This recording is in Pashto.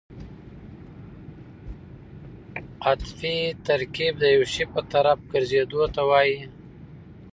عطفي ترکیب د یو شي په طرف ګرځېدو ته وایي.